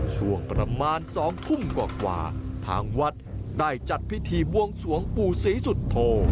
ช่วงประมาณ๒ทุ่มกว่าทางวัดได้จัดพิธีบวงสวงปู่ศรีสุโธ